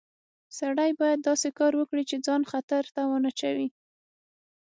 سړی باید داسې کار وکړي چې ځان خطر ته ونه اچوي